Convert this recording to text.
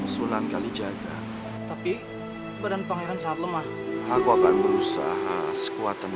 semoga pangeran cepat sembuh